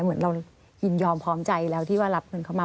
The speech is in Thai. เหมือนเรายินยอมพร้อมใจแล้วที่ว่ารับเงินเข้ามา